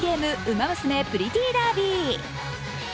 「ウマ娘プリティーダービー」。